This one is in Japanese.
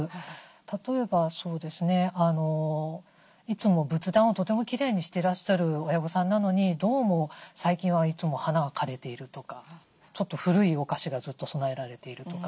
例えばそうですねいつも仏壇をとてもきれいにしてらっしゃる親御さんなのにどうも最近はいつも花が枯れているとかちょっと古いお菓子がずっと供えられているとか。